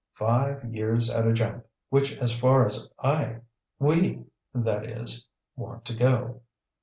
Five years at a jump, which as far as I we, that is want to go."